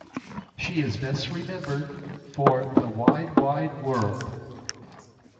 She is best remembered for "The Wide, Wide World".